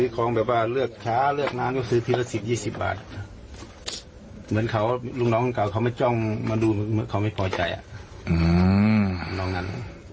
กลัวเขาไม่จ้องมาดูเขาไม่พอใจอ่ะอือนอกนั้น